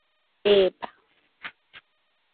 Entre sus colecciones son de destacar,